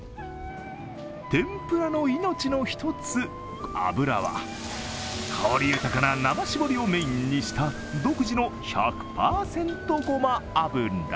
天ぷらの命の一つ、油は香り豊かな生搾りをメインにした独自の１００％ごま油。